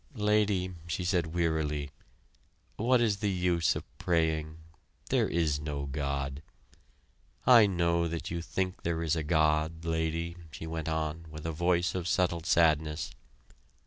"Lady," she said wearily, "what is the use of praying there is no God. I know that you think there is a God, Lady," she went on, with a voice of settled sadness.